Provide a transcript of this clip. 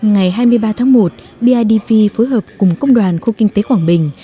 ngày hai mươi ba tháng một bidv phối hợp cùng công đoàn khu kinh tế quảng bình